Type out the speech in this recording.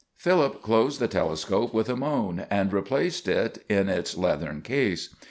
Philip closed the telescope with a moan, and replaced it in its leathern case.